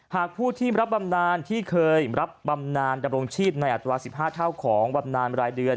หากผู้ที่รับบำนานที่เคยรับบำนานดำรงชีพในอัตรา๑๕เท่าของบำนานรายเดือน